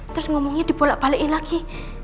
terus ngomongnya dibolak balikin lagi